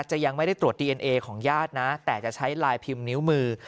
จะยังไม่ได้ตรวจดีเอ็นเอของญาตินะแต่จะใช้ลายพิมพ์นิ้วมือ